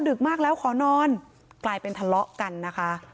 ดึกมากแล้วขอนอนกลายเป็นทะเลาะกันนะคะ